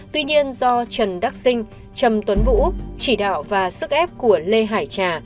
tuy nhiên do trần đắc sinh trầm tuấn vũ chỉ đạo và sức ép của lê hải trà